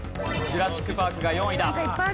『ジュラシック・パーク』が４位だ。